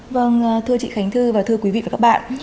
vâng thưa chị khánh thư và thưa quý vị và các bạn